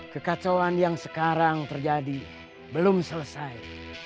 kekacauan yang sekarang terjadi belum selesai